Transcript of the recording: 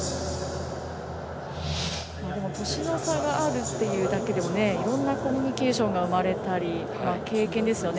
でも、年の差があるというだけでもいろんなコミュニケーションが生まれたり経験ですよね。